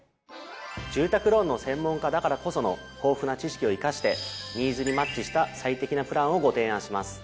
住宅ローンの専門家だからこその豊富な知識を生かしてニーズにマッチした最適なプランをご提案します。